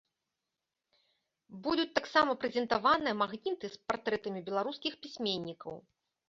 Будуць таксама прэзентаваныя магніты з партрэтамі беларускіх пісьменнікаў.